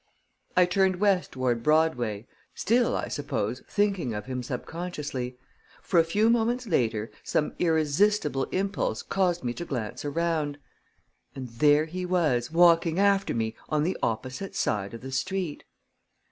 I turned west toward Broadway, still, I suppose, thinking of him subconsciously: for a few moments later, some irresistible impulse caused me to glance around. And there he was, walking after me, on the opposite side of the street!